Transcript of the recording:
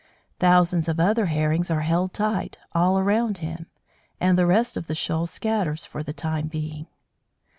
Thousands of other Herrings are held tight, all around him, and the rest of the shoal scatters for the time being.